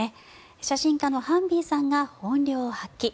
写真家のハンビーさんが本領発揮。